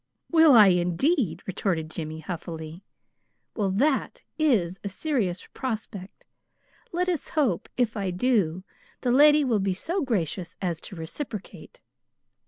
"Will I, indeed?" retorted Jimmy huffily. "Well, that IS a serious prospect. Let us hope, if I do, the lady will be so gracious as to reciprocate."